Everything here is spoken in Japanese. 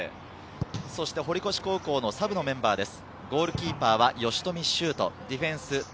堀越高校のサブのメンバーです。